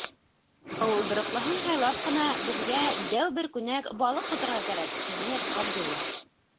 - Ыуылдырыҡлыһын һайлап ҡына беҙгә дәү бер күнәк балыҡ тоторға кәрәк, - тине Ғабдулла.